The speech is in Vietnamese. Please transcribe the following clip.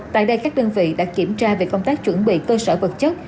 tại đây các đơn vị đã kiểm tra về công tác chuẩn bị cơ sở vật chất